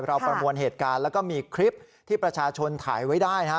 ประมวลเหตุการณ์แล้วก็มีคลิปที่ประชาชนถ่ายไว้ได้นะฮะ